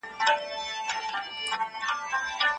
نژدې زر میلیونه کومیټونه د ځمکې کتلي ته نږدې دي.